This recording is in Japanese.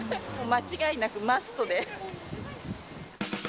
間違いなく、マストで。